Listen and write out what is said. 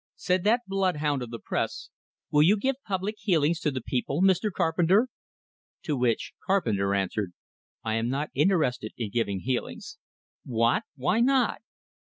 Said that blood hound of the press: "Will you give public healings to the people, Mr. Carpenter?" To which Carpenter answered: "I am not interested in giving healings." "What? Why not?"